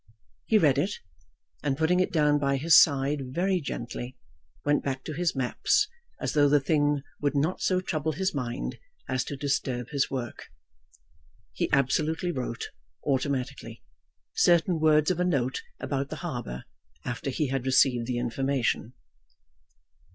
He read it, and putting it down by his side very gently, went back to his maps as though the thing would not so trouble his mind as to disturb his work. He absolutely wrote, automatically, certain words of a note about the harbour, after he had received the information.